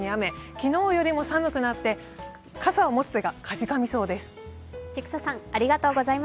昨日よりも寒くなって、傘を持つ手がかじかみそうです。